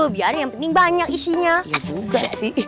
biar yang penting banyak isinya